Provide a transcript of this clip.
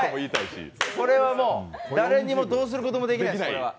これはもう誰にもどうすることもできない。